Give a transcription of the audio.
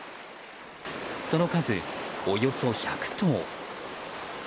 その数、およそ１００頭。